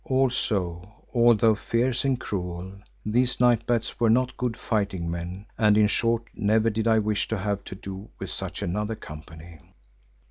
Also, although fierce and cruel, these night bats were not good fighting men and in short never did I wish to have to do with such another company.